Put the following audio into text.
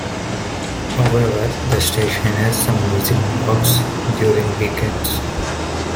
However, the station has some music blocks, during weekends.